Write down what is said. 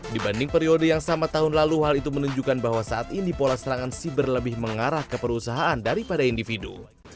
dibanding periode yang sama tahun lalu hal itu menunjukkan bahwa saat ini pola serangan siber lebih mengarah ke perusahaan daripada individu